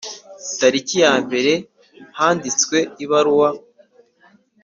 Tariki ya mbere handitswe ibaruwa